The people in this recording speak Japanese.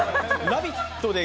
「ラヴィット！」でＢ